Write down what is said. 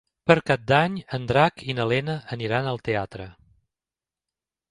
Per Cap d'Any en Drac i na Lena aniran al teatre.